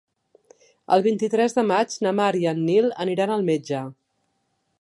El vint-i-tres de maig na Mar i en Nil iran al metge.